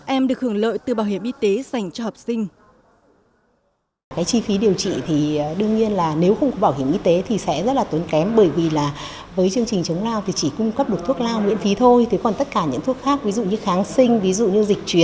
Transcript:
em được hưởng lợi từ bảo hiểm y tế dành cho học sinh